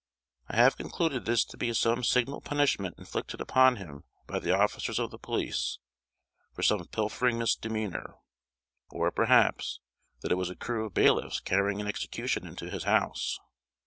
I have concluded this to be some signal punishment inflicted upon him by the officers of the police, for some pilfering misdemeanour; or, perhaps, that it was a crew of bailiffs carrying an execution into his house.